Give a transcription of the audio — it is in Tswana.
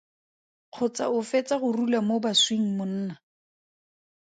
Kgotsa o fetsa go rula mo baswing monna?